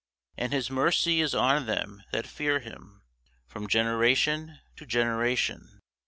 And his mercy is on them that fear him From generation to generation.